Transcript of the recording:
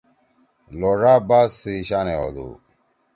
لوڙا باز سی شانے ہودُو۔